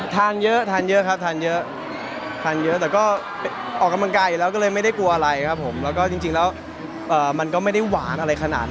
ทานเยอะเหมือนกันใช่ไหมคะวันที่ถ่ายพวกนั้น